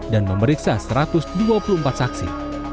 dan memeriksa satu ratus dua puluh empat saksi